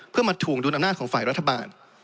เพื่อมาถวงดุลอำนาจของฝ่ายรัฐบาล